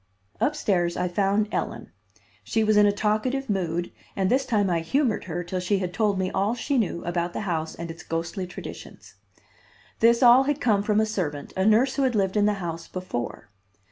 Up stairs I found Ellen. She was in a talkative mood, and this time I humored her till she had told me all she knew about the house and its ghostly traditions. This all had come from a servant, a nurse who had lived in the house before.